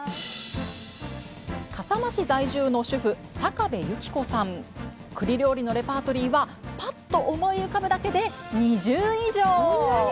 笠間市在住の主婦くり料理のレパートリーはぱっと思い浮かぶだけで２０以上！